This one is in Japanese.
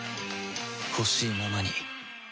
ほしいままに